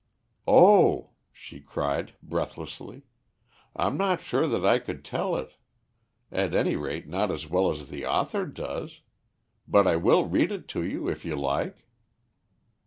"Oh," she cried, breathlessly, "I'm not sure that I could tell it; at any rate, not as well as the author does; but I will read it to you if you like."